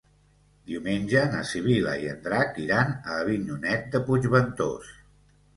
Diumenge na Sibil·la i en Drac iran a Avinyonet de Puigventós.